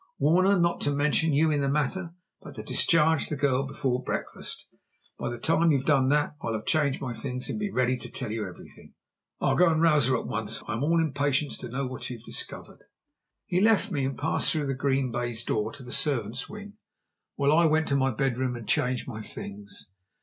Warn her not to mention you in the matter, but to discharge the girl before breakfast. By the time you've done that I'll have changed my things and be ready to tell you everything." "I'll go and rouse her at once; I'm all impatience to know what you have discovered." He left me and passed through the green baize door to the servants' wing; while I went to my bedroom and changed my things.